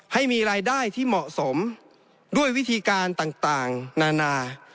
ให้มีรายได้ที่เหมาะสมด้วยวิธีการต่างนานา